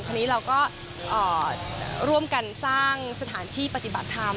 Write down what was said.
ทีนี้เราก็ร่วมกันสร้างสถานที่ปฏิบัติธรรม